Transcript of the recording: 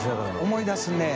思い出すね。